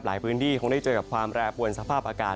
หลายเครื่องที่คงได้เจอกับความแลือพ่วนสภาพอากาศ